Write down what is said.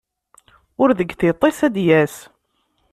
Ur deg tiṭ-is ad d-yas.